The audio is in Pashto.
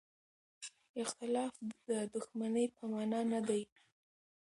اختلاف د دښمنۍ په مانا نه دی.